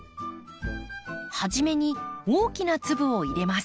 はじめに大きな粒を入れます。